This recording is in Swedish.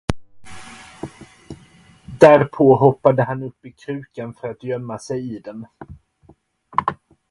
Därpå hoppade han upp i krukan för att gömma sig i den.